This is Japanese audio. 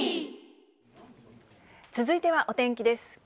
続いてはお天気です。